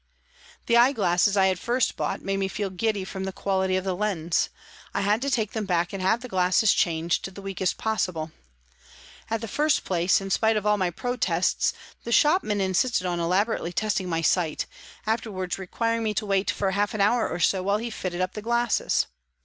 The eye glasses I had first bought made me feel giddy from the quality of the lens. I had to take them back and have the glasses changed to the weakest possible. At the first place, in spite of all my protests, the shopman insisted on elaborately testing my sight, afterwards requiring me to wait for half an hour or so while he fitted up the glasses.